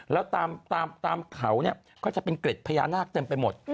แล้วตามเขาก็จะเป็นเกร็ดพญานาคเต็มไปหมด